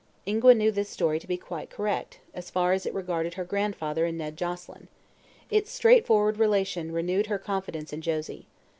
Ingua knew this story to be quite correct, as far as it regarded her grandfather and Ned Joselyn. Its straightforward relation renewed her confidence in Josie.